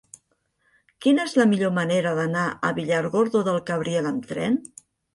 Quina és la millor manera d'anar a Villargordo del Cabriel amb tren?